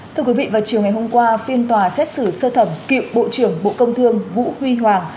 thưa quý vị vào chiều ngày hôm qua phiên tòa xét xử sơ thẩm cựu bộ trưởng bộ công thương vũ huy hoàng